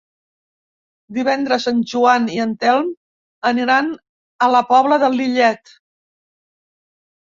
Divendres en Joan i en Telm aniran a la Pobla de Lillet.